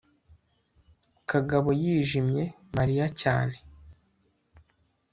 kagabo yijimye mariya cyane